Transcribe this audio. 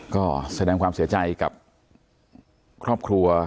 ก็ใช้แน่นที่ความเสียใจกับครอบครัว